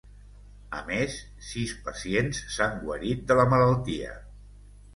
A més, sis pacients s’han guarit de la malaltia.